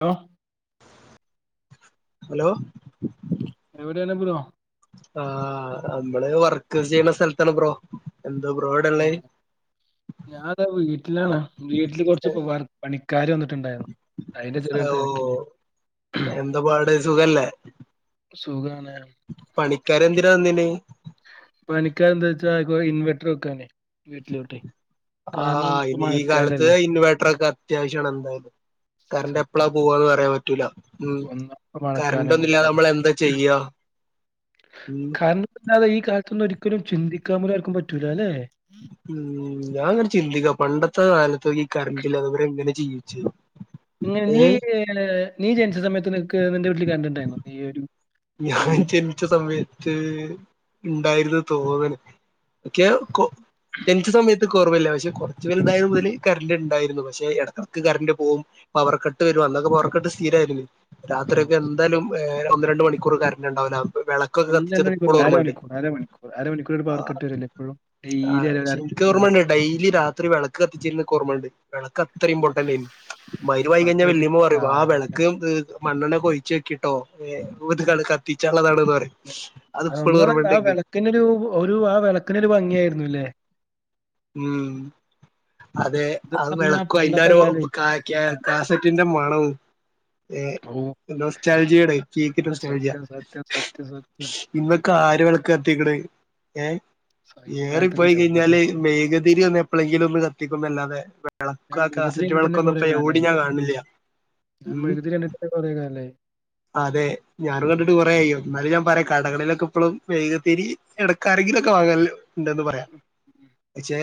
Law hello എവിടെയാണ് bro ആഹ് നമ്മള് വർക്കേസ് ചെയ്യ്ണ സ്ഥലത്താണ് ബ്രോ എന്താ ബ്രോ എവിടെള്ളേ ഞാൻ ഇതാ വീട്ടിലാള്ളേ വീട്ടില് കൊർച്ച് പോവ പണിക്കാര് വന്നിട്ടുണ്ടായിരുന്നു അതിന്റെ ഓ ചെറിയൊരു തെരക്കില് എന്താ പാട് സുഖല്ലേ സുഖാണ് പണിക്കാര് എന്തിനാ വന്നീനി പണിക്കാര് എന്താച്ചാ ഇൻവെർട്ടർ വെക്കാനെ വീട്ടിലോട്ട് ആഹ് ഈ കാലത്ത് ഇൻവേർട്ടറോക്കെ അത്യാവശ്യമാണ് എന്തായാലും കറണ്ട് എപ്പളാ സത്യം പോവാന്ന് പറയാൻ പറ്റൂല്ല ഉം ഒന്നാമത്തെ മഴക്കാലം കൂടി കറൻ്റോന്നുല്ലാതെ ഉണ്ടോ നമ്മള് എന്താ ചെയ്യാ ഉം അല്ലാതെ ഈ കാലത്തൊന്നും ഒരിക്കലും ചിന്തിക്കാൻ പോലും ആർക്കും പറ്റൂല അല്ലെ ഉം ഞാൻ ഇങ്ങനെ ചിന്തിക്ക പണ്ടത്തെ കാലത്തൊക്കെ ഈ കരണ്ടില്ലാതെ ഇവരെങ്ങനെ ജീവിച്ചു ഇങ്ങനെ നീ ഏഹ് നീ ജനിച്ച സമയത്ത് നിനിക്ക് നിന്റെ വീട്ടില് കണ്ടിണ്ടായിരുന്നു നീ ഒരു ഈ ഞാൻ ജനിച്ച സമയത്ത് ഉണ്ടായിരുന്നു തോന്ന്ണ് [unintelligible] ജനിച്ച സമയത്ത് ഇൻക് ഓർമയില്ല പക്ഷെ കുറച്ചു വലുതായ മുതൽ കറണ്ട് ഉണ്ടായിരുന്നു പക്ഷെ ഇട ക്ക് കറണ്ട് പോവും പവർ കട്ട് വരും അന്നൊക്കെ പവർ കട്ട് സ്ഥീരായിരുന്നു ഓ രാത്രിയൊക്കെ എന്തായാലും വേ ഒന്ന് രണ്ട് മണിക്കൂർ കരണ്ട് ഉണ്ടാവൂല വിള ഒന്ന് രണ്ട് മണിക്കൂറല്ല അരമണിക്കൂർ അരമണിക്കൂർ അരമണിക്കൂറ് പവർ കട്ട് വരല്ലോ എപ്പോഴും ഡെയിലി അര ഇൻക്ക് അരമണിക്കൂർ ഓർമ്മണ്ട് ഡെയിലി രാത്രി വിളക്ക് കത്തിച്ചിരുന്ന ഇൻക്ക് ഓർമ്മുണ്ട് വിളക്ക് അത്ര ഇമ്പോർട്ടന്റയിരുന്നു മഹ്‌രിബ് ഓഫ് ആയി കഴിഞ്ഞാൽ അതൊരു വല്ലിമ്മ പറയും ആ കാലം വിളക്ക് ഇത് മണ്ണെണ്ണൊക്കൊഴിച്ച് വെക്കിട്ടോ ഏഹ് ഇത് കത്തിച്ചാള്ളതാണെന്ന് പറയും അത്പ്പളും ഓർമ്മണ്ട് ഇൻക് ഒരു ഒരു ആ വിളക്കിനൊരു ഭംഗിയായിരുന്നുല്ലേ ഉം അതെ ഇത് ആ പറഞ്ഞ വിളക്കും അതിന്റെ പണ്ടത്തെ ഒരു കാലേ ആ, [unintelligible] താസെറ്റിന്റെ മണവും ഏഹ് ഓ നൊസ്റ്റാൽജിയാണ് കേക്ക് നൊസ്റ്റാൾജിയ സത്യം സത്യം സത്യം സത്യം ഇന്നൊക്കെ ആര് വിളക്കത്തിക്ക്ണ് ഏഹ് സ- ഈ ഏറി കാലത്തൊക്കെ പോയി ആവട്ടെ കഴിഞ്ഞാല് മെഴുകുതിരി ഒന്ന് എപ്പളെങ്കിലും ഒന്ന് കത്തിക്കുന്നല്ലാതെ ഞാൻ വിളക്കും ആ മൃഗത്തിരി കാസറ്റ് കണ്ടിട്ട് തന്നെ വിളക്കൊന്നും കുറെ ഇപ്പം എവ്ടി കാലമായി ഞാൻ കാണ് ണില്ല ഞാൻ മെഴുകുതിരി കണ്ടിട്ട് കുറെ കാലായി അതെ ഞാനും കണ്ടിട്ട് കുറെയായ് എന്നാലും ഞാൻ പറയാ കടകളിലൊക്കെ ഇപ്പഴും മെഴുകുതിരി ഇടക്കാരങ്കിലൊക്കെ വാങ്ങല് ഉണ്ടന്ന് പറയാം ഉം പക്ഷെ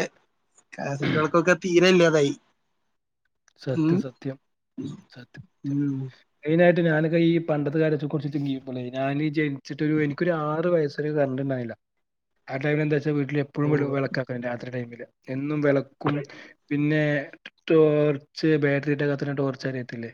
കാസറ്റ് വെൾക്കൊക്കെ തീരെ ഇല്ലാതായി ഉം സത്യം സത്യം സത്യം ഉം മെയിനായിട്ട് ഞാനൊക്കെ ഈ പണ്ടത്തെ കാര്യത്തെ കുറിച്ച് തിങ്ക് ചെയ്യും ഞാൻ ജനിച്ചിട്ട് ഒരു എനിക്ക് ഒരു ആറ് വയസ് കറൻ്റ് ഉണ്ടായില്ല ആ ടൈമിൽ എന്താച്ചാ വീട്ടിൽ എ പ്പഴും ഓ വല വിളക്കാക്കാരം രാത്രി ടൈമില് എന്നും വിളക്കും പിന്നെ ടോ ച്ച് ബാറ്ററിട്ട കത്ത്ണ ടോർച്ച് അറിയത്തില്ലേ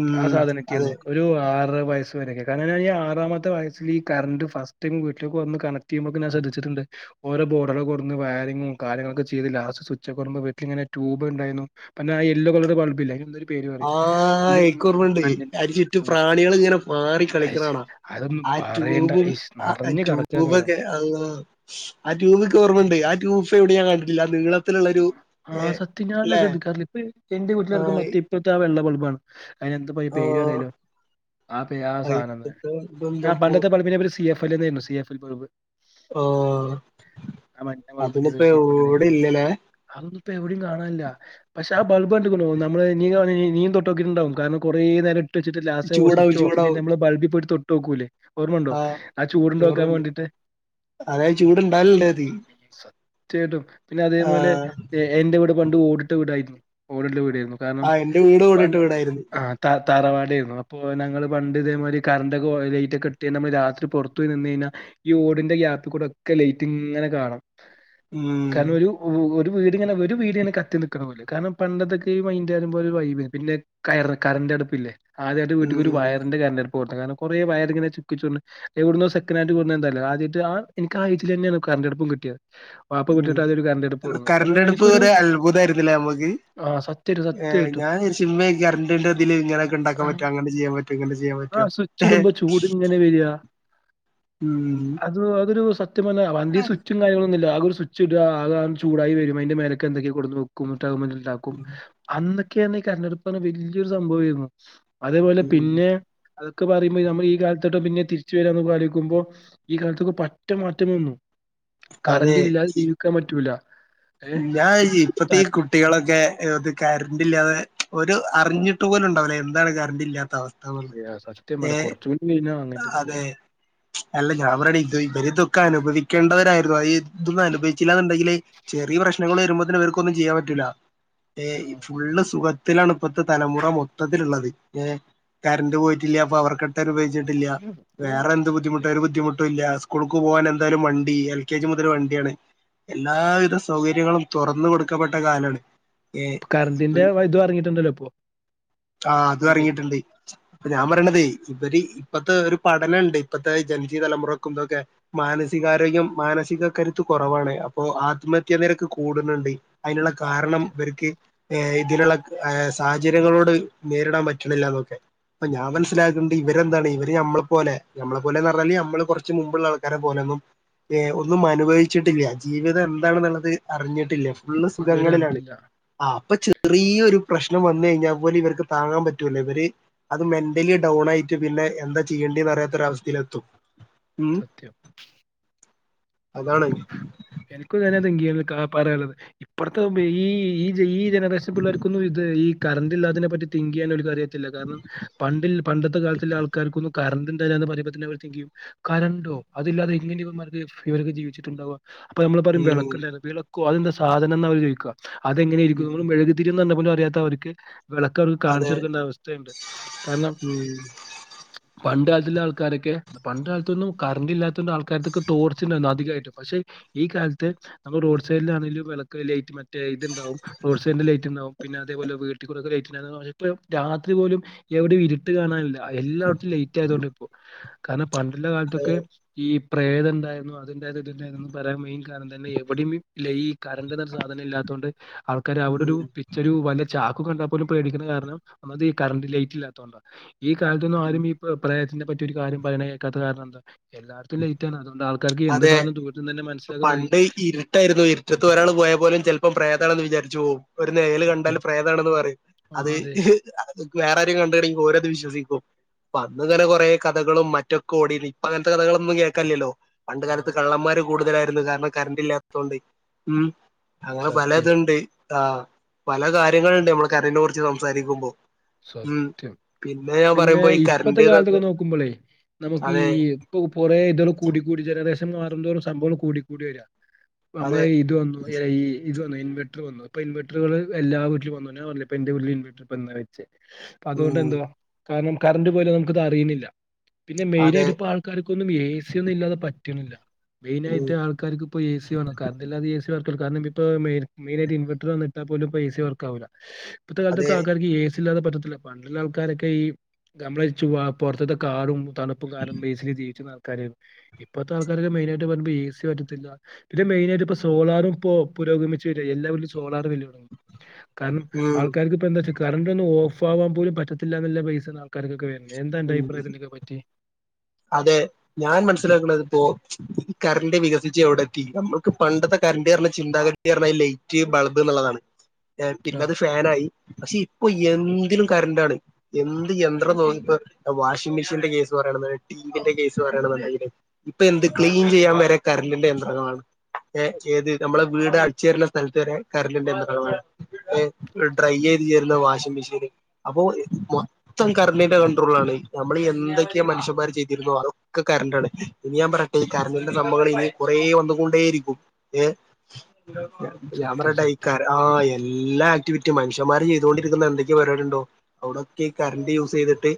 ഉം ആ സാധനൊക്കെയാ അതെ നോക്ക ഒരു ആറ് വയസ് വരെയൊക്കെ കാരണം ഈ ആറാമത്തെ വയസ്ൽ ഈ കറണ്ട് ഫസ്റ്റ് ടൈം വീട്ടിലേക്ക് വന്ന് കണ റ്റിയുമൊക്കെ ഞാൻ ശ്രദ്ധിച്ചിട്ടുണ്ട് ഓരോ ബോർഡളൊക്കെ കൊടന്ന് വയറിങ്ങും കാര്യങ്ങളൊക്കെ ചെയ്ത് ലാസ്റ്റ് സ്വിച്ച് വെക്കെറുമ്പോ വീട്ടിൽ ഇങ്ങനെ ട്യൂബ് ഉണ്ടായിരുന്നു പിന്നെ ആ യെല്ലോ കളർ ബൾബില്ലേ അതിനെന്തൊരു ആഹ് എനിക്കോർമ്മുണ്ട് അതിനു ചുറ്റു പ്രാണികൾ ഇങ്ങനെ പാറി അയ്‌ശ് കളിക്കണാണ അതൊന്നും ആ പറയണ്ട. ട്യൂബും ഇശ് ആ നറഞ്ഞ് കെടക്കാ കാനം. ട്യൂബൊക്കെ അല്ലോ ആ ട്യൂബൊക്കെ ഓർമ്മുണ്ട് ആ ട്യൂബ് ഇപ്പം എവിടെ ഞാൻ കണ്ടിട്ടില്ല ആ നീള ആഹ് സത്യം ഞാൻ ശ്രദ്ധിക്കാറില്ല ഇപ്പം എന്റെ വീട്ടിലൊക്കെ ആഹ് മറ്റേ ഇപ്പഴത്തെ ആ വെള്ള ബൾബാണ് അയ്ന് എന്താപ്പോ പേര് ആഹ് പറയോലോ ആ പേര് ആ സാനാ എന്ന് പറയും അയിത്തത്തെ ആഹ് ഇതെന്താപ്പോ പണ്ടത്തെ ബൾബിൻ്റെ പേര് സി എഫ് എൽ എന്നായിരുന്നു സി എഫ് എൽ ബൾബ് ഓഹ് ആ മഞ്ഞ ബൾബിന്റെ പേര് അതൊന്നിപ്പം സി എഫ് എൽ എവിടെ എന്നായിരുന്നു. ഇല്ലലേ അതൊന്നും ഇപ്പം എവിടെയും കാണാല്ല പക്ഷെ ആ ബൾബ് കണ്ട്ക്ക്ണോ നമ്മള് നീ നീ തൊട്ട് നോക്കിട്ടുണ്ടാവും കാരണം കുറേ നേരം ഇട്ട് ട്ട് വെച്ചിട്ട് ലാസ്റ്റ് ഓ ചൂടാവും സ്വിച്ച് ഓഫ് ചെയ്ത് കഴിഞ്ഞ ചൂടാവും നമ്മൾ ബൾബി പോയിട്ട് തൊട്ട് നോക്കൂല്ലേ ഓർമ്മണ്ടോ ആഹ് ആ ചൂടുണ്ടോക്കാൻ വേണ്ടിയിട്ട് അതായ് ചൂട്ണ്ടാവലുണ്ടതി ത്യായിട്ടും പിന്നെ അതേപോലെ എന്റെ വീട് പണ്ട് ഓടിട്ട വീടായിരുന്നു ഓടിട്ട വീടായിരുന്നു കാരണം ആഹ് എന്റെ വീടും ഓടിട്ട പണ്ട് വീടായിരുന്നു ആഹ് ത തറവാട് ആയിരുന്നു അപ്പോൾ ഞങ്ങള് പണ്ട് ഇതേമാരി കറണ്ടൊക്കെ ലൈറ്റ് ഒക്കെ ഇട്ടു കഴിഞ്ഞ രാത്രി പുറത്തു പോയി നിന്നു കഴിഞ്ഞാ ഈ ഓടിന്റെ ഗ്യാപ്പിൽ കൂടെ ഒക്കെ ലൈറ്റ് ഇങ്ങനെ കാണും ഉം കാരണം ഒരു ഒ ഒരു വീട്ങ്ങനെ ഒരു വീട് ഇങ്ങെനെ കത്തി നിൽക്കണ പോലെ കാരണം പണ്ടത്തൊക്കെ ഈ മൈൻഡ് പറയുമ്പം ഒരു വൈബയ്നിം പിന്നെ കയറ കറണ്ട് അടുപ്പ് ഇല്ലേ ആദ്യായിട്ട് ഉം വീട്ടിക്ക് ഒരു വയറിന്റെ കറണ്ട് അടുപ്പ് പോട്ടെ കാരണം കൊറെ വയറിങ്ങനെ ചുക്കിചുളുഞ്ഞ് എവിടുന്നോ സെക്കൻ്റ് ഹാൻഡ് കൊട്ന്നോ എന്തല്ലോ ആദ്യായിട്ട് ആഹ് ഇൻക്ക് ആ ഏയ്ജിൽ തന്നെയാണ് കറണ്ടടുപ്പും കിട്ടിയത് വാപ്പ വീട്ടി കറണ്ട് അടുപ്പ് ഒരു അത്ഭുതായിരുന്നില്ലേ നമ്മക്ക് ആഹ് സത്യായിട്ടും ഏഹ് സത്യായിട്ടും. ഞാൻ വിചാരിച്ചു ഇമ്മേ കറണ്ടിന്റെതില് ഇങ്ങനെക്കെ ഉണ്ടാക്കാൻ പറ്റോ ആഹ് അങ്ങനെ ചെയ്യാൻ പറ്റൊ റ്റോ ഇങ്ങനെ ചെയ്യാൻ പറ്റോ വരിയ ഉം അത് അതൊരു സത്യം പറഞ്ഞ വന്തി സ്വിച്ചും കാര്യങ്ങളൊന്നില്ല ആകെ ഒരു സ്വി ച്ചിടാ ആകെ അണ് ചൂടായി വരുമ്പോ അയ്ന്റെ മേലക്ക് എന്തൊക്കെ കൊട്ന്ന് വെക്കും എന്നിട്ട് അയ്മൽ ഇണ്ടാക്കും അന്നൊക്കെ പറഞ്ഞ ഈ കറണ്ടടുപ്പ് പറഞ്ഞ വലിയൊരു സംഭവായിരുന്നു അതേപോലെ ഉം പിന്നെ അതൊക്ക പറയുമ്പോ നമ്മള് ഈ കാലത്തൊട്ടാ പിന്നെ തിരിച്ചു വരാന്ന് ഒക്കെ ആലോചിക്കുമ്പോ ഈ കാലത്തൊക്കെ പറ്റെ മാറ്റം വന്നു അതെ കറന്റ് ഇല്ലാതെ ജീവിക്കാൻ പറ്റൂല ഏഹ് ഞാൻ ആലോയ്ചേ ഇപ്പത്തേ ഈ കു കുട്ടികളൊക്കെ ഇത് കറണ്ടില്ലാതെ ഓര് അറിഞ്ഞിട്ട് പോലും ഉണ്ടാവില്ല എന്താണ് കറണ്ട് ഇല്ലാത്ത അവസ്ഥ എഹ് സത്യം പറയാ കൊറച്ചും കൂടി കഴിഞ്ഞാ അങ്ങനെ തന്നെക്കാരം. അതേയ് അല്ല ഞാൻ പറയ്ണു ഇത് ഇവര് ഇതൊക്കെ അനുഭവിക്കേണ്ടവരായിരുന്നു അത് ഈ ഇതൊന്നും അനുഭവിച്ചില്ല എന്നുണ്ടെങ്കില് ചെറിയ പ്രശ്നങ്ങൾ വരുമ്പോൾ തന്നെ ഇവർക്കൊന്നും ചെയ്യാൻ പറ്റൂലാ ഏയ്‌ ആഹ്. ഫുള്ള് സുഖ ത്തിലാണ് ഇപ്പത്തെ തലമുറ മൊത്തത്തിലുള്ളത് എഹ് കറണ്ട് പോയിട്ടില്ല പവർക്കെട്ട് അനുഭവിച്ചിട്ടി ട്ടില്ല വേറെ എന്ത് ബുദ്ധിമുട്ട ഒരു ബുദ്ധിമുട്ടും ഇല്ല സ്‌കൂളുക്ക് പോകാൻ എന്തായാലും വണ്ടി എൽ കെ ജി മുതൽ വണ്ടിയാണ് എല്ലാവിധ സൗകര്യങ്ങളും തൊറന്ന് കൊടുക്കപ്പെട്ട കാലാണ് ഏഹ് ഇപ്പ കറന്റിന്റെ ഇത് ഇറങ്ങിയിട്ടുണ്ടല്ലോ ഇപ്പൊ ആഹ് അതും വണ്ടി എറങ്ങിട്ടുണ്ട് ഇപ്പൊ ഞാൻ പറയണതെ ഇവര് ഇപ്പത്തെ ഒരു പഠനം ഉണ്ട് ഇപ്പത്തെ ജൻസി തലമുറക്കും ഇത് ഒക്കെ മാനസികാരോഗ്യം മാനസിക കരുത്ത് കൊറവാണ് അപ്പൊ ആത്മഹത്യാ നിരക്ക് കൂട്ണുണ്ട് അയ്നുള്ള കാരണം ഇവർക്ക് ഏഹ് ഇതിലുള്ള ഏഹ് സാഹചര്യങ്ങളോട് നേരിടാൻ പറ്റണില്ല എന്നൊക്കെ അപ്പ ഞാൻ മനസ്സിലാക്കണ്ട് ഇവരെന്താണ് ഇവ ര് നമ്മളെ പോലെ നമ്മളെ പോലെന്ന് പറഞ്ഞാല് മ്മള് കുറച്ച് മുമ്പുള്ള ആൾക്കാരെ പോലെയൊന്നും ഏഹ് ഒന്നും അനുഭവിച്ചിട്ടില്ല ജീവിതം എന്താണെന്നുള്ളത് അറിഞ്ഞിട്ടില്ല ഫുള്ള് ഇതുവരെ സുഖങ്ങളിലാണ് അറിഞ്ഞിട്ടില്ല ആഹ് അപ്പൊ ചെറിയൊരു പ്രശ്നം വന്നു കഴിഞ്ഞാൽ പോലും ഇവർക്ക് താങ്ങാൻ പറ്റൂല്ല ഇവര് അത് മെന്റലി ഡൗൺ ആയിട്ട് പിന്നെ എന്ത ചെയ്യേണ്ടേ അറിയാത്തൊരവസ്ഥയിലത്തും ഉം സത്യം അതാണ് എനിക്കും ഇത് തന്നെ തിങ്ക് ചെയ്യാൻ നിക്കാതെ പറയാനുള്ളത് ഇപ്പഴത്തെ ഈ ഈ ഈ ജനറേഷൻ പിള്ളേർക്കൊന്നും ഇത് ഈ കറന്റ് ഇല്ലാതിനെ പറ്റി തിങ്ക് ചെയ്യാൻ കാരണം പ പണ്ടത്തെ കാലത്തിലെ ആൾക്കാർക്കൊന്നും കറണ്ട് ഇല്ലാരുന്നു പറയുമ്പോൾ തിങ്കെയും കറണ്ടോ അതില്ലാതെ എങ്ങനെ ഇർ ഇവർക്ക് ജീവിച്ചിട്ടുണ്ടാവുക അപ്പൊ നമ്മൾ പറയും ഉം വിളക്കുണ്ടാരുന്നു വിളക്കോ അതെന്താ സാധനം എന്ന് അവർ ചോദിക്കുക അതെങ്ങനെ ഇരിക്കും ഉം നമ്മള് മെഴുകുതിരി തിരി പോലും അറിയാത്ത അവർക്ക് വിളക്ക് അവർക്ക് അതെ കാണിച്ചു കൊടുക്കേണ്ട അവസ്ഥയുണ്ട് കാരണം ഉം [unintelligible] പണ്ട് കാലത്തുള്ള ആൾക്കാരൊക്കെ പണ്ട് കാലത്തൊന്നും കറന്റ് ഇല്ലാത്തൊണ്ട് ആൾക്കാർക്കൊക്കെ ടോർച്ചുണ്ടായിരുന്നു അധികയിട്ടും പക്ഷെ ഈ കാലത്ത് നമ്മൾ റോഡ് സൈഡിലാണെങ്കിലും വിളക്ക് ലൈറ്റ് മറ്റേ ഇതുണ്ടാവും റോഡ് സൈഡന്റെ ലൈറ്റ് ഉണ്ടാവും പിന്നെ അതേപോലെ വീട്ടിൽ കൂടെ ഒക്കെ ലൈറ്റ് ഉണ്ടാകും രാത്രി പോലും എവിടെ ഇരുട്ട് കാണാനില്ല എല്ലായിടത്തും ലേറ്റ് ആയതോണ്ട് ഇപ്പോ കാരണം പണ്ട്ല്ല കാലത്തൊക്കെ ഈ പ്രേതം ഉണ്ടായിരുന്നു അത്ണ്ടായിരുന്നു ത്ണ്ടായിരുന്നു പറയാൻ മെയിൻ കാരണം തന്നെ എവിടെയും ഈ കരണ്ട് പറയണ സാധനം ഇല്ലാത്തൊണ്ട് ആൾക്കാര് അവിടെ ഉം ഒരു പിക്ച്ച ഒരു വ ചാക്ക് കണ്ടാൽ പോലും പേടിക്കുന്ന കാരണം ഒന്നാമത് ഈ കറണ്ട് ലൈറ്റ് ഇല്ലാത്തത് കൊണ്ടാ ഈ കാലത്തൊന്നും ഉം ആരും ഈ പ്രേതത്തിന്റെ പറ്റി ഒരു കാര്യം പറയണ കേൾക്കാത്തത് കാരണം എന്താ എല്ലാടത്തും ലൈറ്റ് ആണ് അതുകൊണ്ട് ആൾക്കാർക്ക് എന്ത് അതെ സാധനം ദൂരത്ത് നിന്ന് തന്നെ മനസ്സിലാക്കാൻ കഴിയും പണ്ട് ഇരുട്ടായിരുന്നു ഇരുട്ടത്ത് ഒരാള് പോയാൽ പോലും ചിലപ്പോ പ്രേതാണെന്ന് വിചാരിച്ചു പോവും ഒരു നിയൽ കണ്ടാൽ സത്യം പ്രേതാണെന്ന് പറയും ആ അത് അതെ വേറെ ആരി കണ്ടിണെങ്കിൽ ഓരത് വിശ്വസിക്കും അന്നിങ്ങനെ കൊറേ കഥകളും മറ്റക്കെ ഓടിനി ഇപ്പോ അങ്ങനത്തെ കഥകളൊന്നും കേൾക്കാല്ലല്ലോ പണ്ട് ആ കാലത്ത് കള്ളന്മാര് കൂടുതലായിരുന്നു കാരണം കറന്റ് ഇല്ലാത്തത് കൊണ്ട് ഉം അങ്ങനെ സത്യമായിട്ടും പലതുണ്ട് ആഹ് പല കാര്യങ്ങളുണ്ട് നമ്മള് കറന്റിനെ കുറിച്ച് സംസാരിക്കുമ്പോ ഉം സത്യം പിന്നെ ഞാൻ പിന്നെ പറയുമ്പോ ഈ ഇപ്പത്തെ കറന്റ് ഇതൊക്കെ കാലത്തൊക്കെ നോക്കുമ്പോളേ നമുക്ക് ഈ അതെ ഇപ്പൊ കുറേ ഇതോള് കൂടിക്കൂടി ജനറേഷൻ മാറും തോറും സംഭവം കൂടിക്കൂടി വര നമ്മളെ അതെ ഇത് വന്നു എ ഐ ഇത് വന്നു ഇൻവട്ടർ വന്നു ഇപ്പോ ഇൻവട്ടറുകൾ എല്ലാ വീട്ടിലും വന്നു ഞാൻ പറഞ്ഞില്ലേ എന്റെ വീട്ടില് ഇൻവട്ടർ ഇപ്പോ ഇന്ന് ഇപ്പോ അതുകൊണ്ട് ഉം എന്താ കാരണം കറണ്ട് പോയാലും അത് നമുക്കത് അറിയുന്നില്ല പിന്നെ അതെ മെയിനായിട്ട് ഇപ്പോ ആൾ ആൾക്കാർക്കൊന്നും ഏ സി ഒന്നും ഇല്ലാതെ പറ്റണില്ല ഉം മെയിനായിട്ട് ആൾക്കാർക്ക് ഇപ്പോ എ സി വേണം കറന്റില്ലാതെ എ സി വർക്കാവുല്ല കാരണം ഇപ്പോ മെയി മെയിനായിട്ട് ഇൻവട്ടർ വന്നിട്ടാ പോലും ഇപ്പോ ഏ സി വർക്കാവില്ല ഇപ്പത്തെ അതെ കാലത്തൊക്കെ ആൾക്കാർക്ക് എ സി ഇല്ലാതെ പറ്റത്തില്ല പണ്ടുള്ള ആൾക്കാരൊക്കെ ഈ നമ്മളെ ചുവ പുറത്തത്തെ കാടും തണുപ്പും കാരും ബേസിൽ ജീവിച്ചിരുന്ന ആൾക്കാര് ഇപ്പത്തെ ആൾക്കാർക്കെ മെയിനായിട്ട് പറയുമ്പോ ഏ സി പറ്റത്തില്ല ഇത് മെയിനായിയിട്ടിപ്പോ സോളാറും ഇപ്പോ പുരോഗമിച്ച് വരഎല്ലാ വീട്ടിലും സോളാർ വരുവാ കാരണം ഉം ആൾക്കാർക്ക് ഇപ്പോ എന്താ വെച്ച പണ്ടൊന്നും ഓഫാവാൻ പോലും പറ്റത്തില്ലന്നുള്ള പൈസ ആൾക്കാർക്കൊക്കെ വരുന്നത് എന്താന്റെ ഉം അഭിപ്രായത്തിലൊക്കെ പറ്റിയെ അതെ ഞാൻ മനസ്സിലാക്കണതിപ്പോ കറണ്ട് വികസിച്ച് എവിടെ എത്തി നമ്മുക്ക് പണ്ടത്തെ കറണ്ട് പറഞ്ഞ ചിന്താഗതി പറഞ്ഞാൽ ലൈറ്റ് ബൾബ് എന്നുള്ളതാണ് [inaudible] ഏഹ് പിന്നെ അത് ഫാനായി പക്ഷേ ഇപ്പോ എന്തിനും കറന്റാണ് എന്ത് യന്ത്രണം നോക്കി വാഷിംഗ് മെഷീന്റെ കേസ് പറയണന്നുണ്ടെങ്കിൽ ടി വി ന്റെ കേസ് പറയാണെന്നുണ്ടെങ്കിൽ ഇപ്പോ എന്ത് ക്ലീൻ ചെയ്യാൻ വരെ കറണ്ടിന്റെ യന്ത്രങ്ങളാണ്. ഏഹ് ഏത് നമ്മളെ വീട് അടിച്ചേരുന്ന സ്ഥലത്ത് വരെ കറണ്ട് ന്റെ യാന്ത്രാണ് ഏഹ്. അതെ, ഡ്രൈ ചെയ്ത് ചേരുന്ന വാഷിംഗ് മെഷീന് അപ്പോ മൊത്തം കറണ്ടിന്റെ കൺ ട്രോൾലാണ്, നമ്മൾ എന്തൊക്കെയാ മനുഷ്യന്മാർ ചെയ്തിരുന്നോ അതൊക്കെ കറണ്ടാണ് ഇഞ്ഞ് ഞാൻ പറ ഈ കറണ്ടിന്റെ സംഭവങ്ങൾ ഇനി കുറേ വന്നു കൊണ്ടേയിരിക്കും ഏഹ് ഞാൻ സത്യം പറയട്ടെ ഈ സത്യം കര ആഹ് എല്ലാ ആക്ടിവിറ്റിയും മനുഷ്യമാര് ചെയ്തുകൊണ്ടിരിക്കുന്ന എന്തൊക്കെ പരിപാടി ഉണ്ടോ. അവിടക്കെ കറണ്ട് യൂസ് ചെയ്തിട്ട്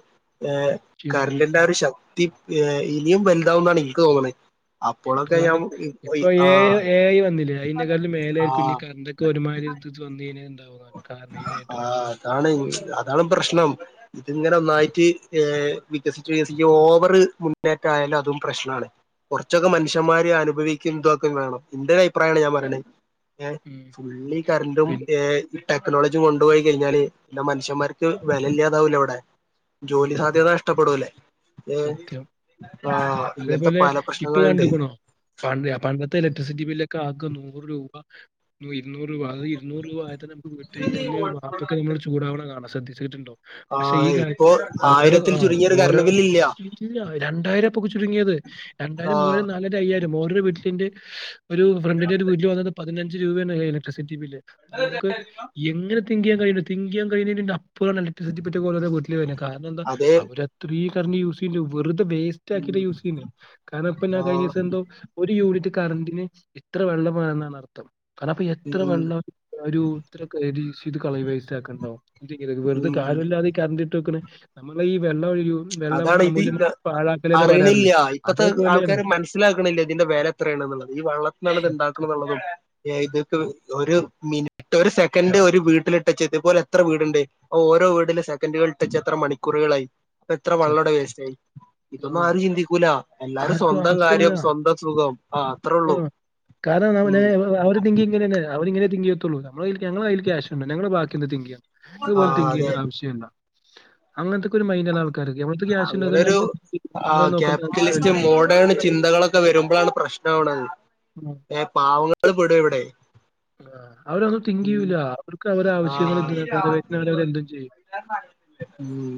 ഏഹ് കറണ്ടിന്റെ ചെയ്തോണ്ടിരിക്കും ആ ഒരു ശക്തി ഇനിയും വലുതാവുന്നാണ് എനിക്ക് തോന്നണേ. എനിക്ക് അപ്പോഴൊക്കെ കാരണം ഞാൻ ഈ- ഇപ്പോ ഈ- ആ ഏ ഏ ഐ വന്നില്ലേ അയിന്റെ കാട്ടിലും മേലെ ആ ആയിരിക്കും ഇനി കറണ്ടൊക്കെ ഒരുമാതിരി സ്വാധീനം എന്താവും. ആഹ് അതാണ് അതാണ് പ്രശ്നം. ഇതിങ്ങനെ ഒന്നായിട്ട് വികസിച്ചു വികസിച്ച് ഓവർ മുന്നേറ്റയാലും അതും പ്രശ്നാണ്. കുറച്ചൊക്കെ ആ മനുഷന്മാര് അനുഭവിക്കും ഇതൊക്കെ വേണം ഇന്റൊരു അഭിപ്രായാണ് ഞാൻ പറയണത്. ഏഹ് ഉം ഫുള്ളി കറണ്ടും പിൻ ഏ ഐ ടെക്നോളജിം കൊണ്ടുപോയി കഴിഞ്ഞാല് പിന്നെ മനുഷ്യന്മാർക്ക് വിലയില്ലാതാവുലേ ഇവിടെ. ഉം ജോലി സാധ്യത നഷ്ടപ്പെടൂലേ. ഏഹ് സത്യം ആ ഇങ്ങനത്തെ അതേപോലെ പല ഇപ്പൊ പ്രശ്നങ്ങളുണ്ട് കണ്ടുക്കുണോ പണ്ട് പണ്ടത്തെ ഇലക്ട്രിസിറ്റി ബില്ലൊക്കെ ആകെ നൂറ് രൂപ ഇുന്നൂറ് രൂപ അത് ഇരുന്നൂറ് രൂപ ആദ്യം നമുക്ക് വിട്ട് കിഞ്ഞാല് വാപ്പൊക്കെ നമ്മളോട് ചൂ ചൂടാവണ കാണാൻ ശ്രദ്ധിച്ചിട്ടുണ്ടോ പക്ഷെ ഈ ആഹ് ഇപ്പോ കാലത്ത് ഓരോ ആയിരത്തിൽ ആ ചുരുങ്ങിയ ഒരു ഓരോ കറണ്ട് ബില്ല് ഇല്ല ഇല്ല രണ്ടായിരംപ്പൊ ചുരുങ്ങിയത് രണ്ടായിരം ആഹ് മൂവായിരം നാലായിരം അയ്യായിരം ഓരോ വീട്ടിലിന്റെ ഒരു ഫ്രണ്ടിന്റെ ഒരു വീട്ടില് വന്നത് പതിനഞ്ച് രൂപയാണ് ഇലക്ട്രിസിറ്റി ബില്ല് നമുക്ക് എങ്ങനെ തിങ്ക് ചെയാൻ കഴിയ തിങ്ക്ചെയാ കഴിയുന്നതിന്റെ അപ്പുറണല്ല [unintelligible] പോലെ വീട്ടില കാരണം എന്താ അതെ അവർ അത്രീ കറന്റ് യൂസ് ചെയ്യ്ണ്ട് വെറുത വേസ്റ്റ് ഉം സ്റ്റാക്കി യൂസ് ചെയ്യുന്നേ കാരണം ഇപ്പ ഞാ കിഞ്ഞ ആഹ് ദിവസം എന്തോ ഒരു യൂണിറ്റ് കറന്റിന് എത്ര വെള്ളം വേണ എന്നാണ് അർത്ഥം കാരണം അപ്പ എത്ര ഉം വെള്ളം ഒരു ഇത്രകന്റ് യൂസ് ചെയ്ത കളയു വേസ്റ്റ്ക്കുണ്ടാവും വെറുത ഉം കാര്യല്ലാതെ കറണ്ടട്ട് വെക്കണ നമ്മള ഈ വെള്ളം ഒഴ വെള്ളം അമൂല്യം [unintelligible] പാഴാക്കലെന്ന് പറയാറില്ലേ അറിയണില്ല ഇപ്പത്തെ അതേപോലെയാണ് ആൾക്കാര [unintelligible] മനസിലാക്കണില്ലേ ഇതിന്റെ വില എത്രയാണ്ന്നുള്ളത് ഈ വള്ളത്തിനാണ് ഇത് ഇണ്ടാക്കണ സത്യം എന്നുള്ളതും ഇതൊക്കെ ഉം ഒരു മിനിറ്റ് ഒരു സെക്കൻഡ് ഒരു വീട്ടിലിട്ട ചെയ്ത്പോലെ എത്ര വീടുണ്ട് ഓരോ വീടിലും സെക്കൻറുകൾ ട്ടച്ച് എത്ര മണിക്കൂറുകളായി എത്ര വെള്ള സത്യം അവടെ വേസ്റ്റ് ആയി ആ ഇതൊന്നും ആരും ചിന്തിക്കൂല എല്ലാരും ആർക്കും സ്വന്തം കാര്യം സ്വന്തം സുഖം ആഹ് ആഹ് കാരണം അവ അവർ തിങ്ക് ഇങ്ങന അവരിങ്ങനെ തിങ്ക് ചെയ്യത്തുള്ളൂ ഞങ്ങളെ കയ്യിൽ കാഷ് ഉണ്ട് ഞങ്ങളെ ബാക്കി എന്ത തിങ് ചെയ്യ ഇതു ആ പോലെ തിങ്ക് അതെ ചെയ്യേണ്ട ആവശ്യന്ത അങ്ങനത്തെക്ക ഒരു മൈഡ് എല്ലാവർക്കും ക്കാരം നമ്മൾടത്ത് ക്യാഷ് ഉണ്ട് അങ്ങനൊരു അതുകൊണ്ട് ആ നിങ്ങള് നോക്കണ്ട ആവശ്യല്ല [unintelligible] ക്കെ വരുമ്പോഴാണ് പ്രശ്നാവണത് പിന്നെ ഏഹ് പാവങ്ങൾ പെട ഇവിടെ ആഹ് അവരൊന്നും തിങ്ക് ഉം ചെയ്യൂല്ല അവർക്ക് അവരുടെ ആ ആവശ്യങ്ങൾ നിറവേറ്റുന്നത് വരെ അവരെന്തും ചെയ്യും ഉം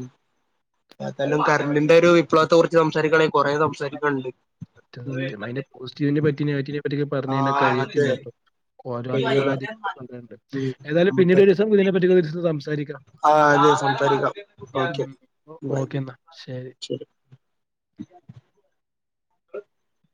ഏന്താലും കറന്റിന്റെ ഒരു വിപ്ലവത്തെ കുറിച്ച് സംസാരിക്കണെങ്കിൽ കുറെേ സംസാരിക്കാനുണ്ട് സത്യം അതിന്റെ പോസിറ്റീവിനെ പറ്റി നെഗറ്റീവ് നേ പറ്റി പറഞ്ഞുഴിഞ്ഞാ ആഹ് അതെ കഴിയത്തില്ലട്ടോ ഓരോ കയ്യൂല [unintelligible] ഉം ഏതായാലും പിന്നീട് നമുക്ക് ഒരു ദീസം ഇതിനെപ്പറ്റി ഒക്കെ സംസാരിക്കാം ആഹ് അത സംസാരിക്കാം ഉം ഓക്കെ ബൈ ഓക്കെ എന്നാ ശരി [inaudible]